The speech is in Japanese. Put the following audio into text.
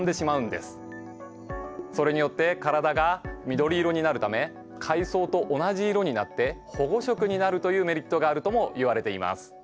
それによって体が緑色になるため海藻と同じ色になって保護色になるというメリットがあるともいわれています。